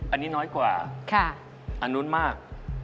อันนี้น้อยกว่าอันนู้นมาก